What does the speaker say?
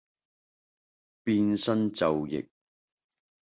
變生肘腋